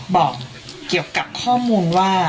บอกเกี่ยวกับข้อมูลว่า